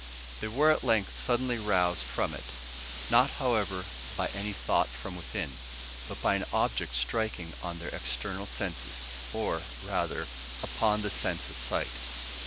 They were at length suddenly roused from it, not, however, by any thought from within, but by an object striking on their external senses, or, rather, upon the sense of sight.